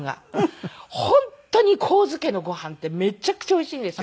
本当に神津家のご飯ってめちゃくちゃおいしいんですよ。